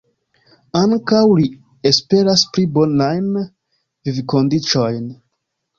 Ankaŭ li esperas pli bonajn vivkondiĉojn.